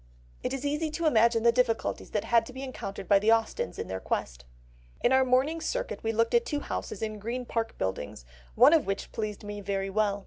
It is easy to imagine the difficulties that had to be encountered by the Austens in their quest. "In our morning's circuit we looked at two houses in Green Park Buildings, one of which pleased me very well.